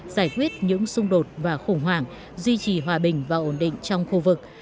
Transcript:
giải quyết những xung đột và khủng hoảng duy trì hòa bình và ổn định trong khu vực